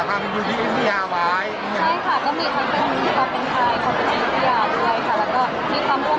มารับบทแม่นายอีกหนึ่งจับมาอีกครั้งหนึ่งเป็นยังไงความรู้สึก